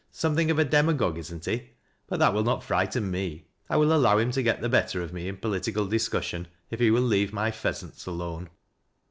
Something of a demagogue, isn't he? But that will not frighten me. I will allow him to get the better of me in political discussion, if he will leave my pheasants alone."